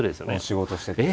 仕事してて。